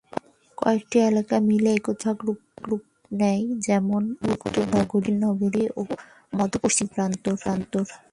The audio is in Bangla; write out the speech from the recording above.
কয়েকটি এলাকা মিলে একত্রে একটি বিভাগে রূপ নেয়, যেমন "উত্তর নগরী", "দক্ষিণ নগরী" ও "মধ্য পশ্চিম প্রান্ত"।